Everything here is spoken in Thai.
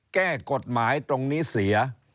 แก้กฎหมายตรงนี้เสีย